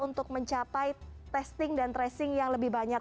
untuk mencapai testing dan tracing yang lebih banyak